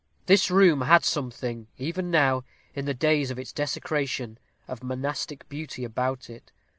This room had something, even now, in the days of its desecration, of monastic beauty about it.